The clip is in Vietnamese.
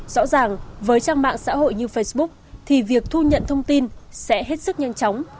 rõ ràng với trang mạng xã hội như facebook thì việc thu nhận thông tin sẽ hết sức nhanh chóng